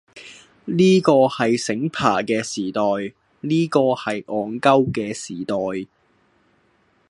呢個係醒爬嘅時代，呢個係戇鳩嘅時代，